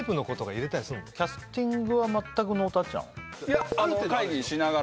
キャスティングはまったくノータッチなの？